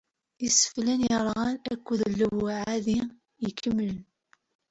Iseflen yerɣan akked lewɛadi ikemlen.